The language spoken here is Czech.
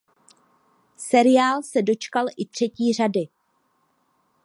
Seriál se dočkal i třetí řady.